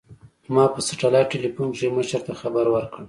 ما په سټلايټ ټېلفون کښې مشر ته خبر ورکړ.